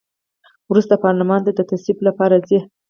وروسته پارلمان ته د تصویب لپاره ځي.